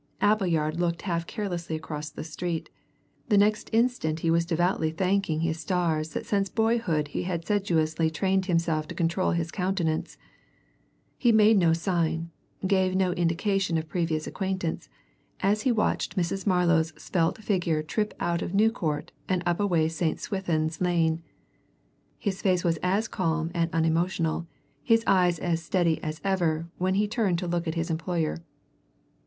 Appleyard looked half carelessly across the street the next instant he was devoutly thanking his stars that since boyhood he had sedulously trained himself to control his countenance. He made no sign, gave no indication of previous acquaintance, as he watched Mrs. Marlow's svelt figure trip out of New Court and away up St. Swithin's Lane; his face was as calm and unemotional, his eyes as steady as ever when he turned to his employer.